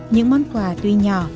những món quà tuy nhỏ